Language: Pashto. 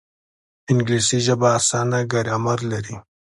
انګلیسي ژبه اسانه ګرامر لري